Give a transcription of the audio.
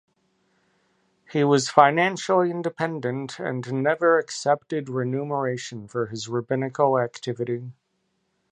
He was financially independent, and never accepted remuneration for his rabbinical activity.